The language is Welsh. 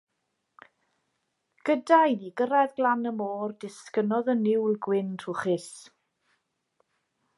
Gyda i ni gyrraedd glan y môr, disgynnodd y niwl gwyn trwchus.